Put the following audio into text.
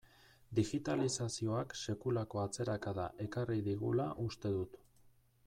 Digitalizazioak sekulako atzerakada ekarri digula uste dut.